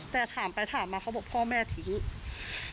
แต่ถามไปถามมาเขาบอกพ่อแม่ทิ้ง